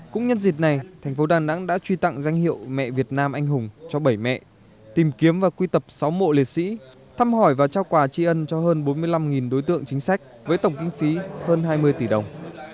cũng nhân dịp này thành phố đà nẵng đã truy tặng danh hiệu mẹ việt nam anh hùng cho bảy mẹ tìm kiếm và quy tập sáu mộ liệt sĩ thăm hỏi và trao quà tri ân cho hơn bốn mươi năm đối tượng chính sách với tổng kinh phí hơn hai mươi tỷ đồng